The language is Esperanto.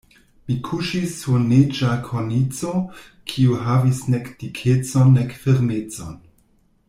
Mi kuŝis sur neĝa kornico, kiu havis nek dikecon nek firmecon.